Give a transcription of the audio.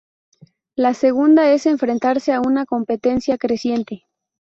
La segunda es enfrentarse a una competencia creciente.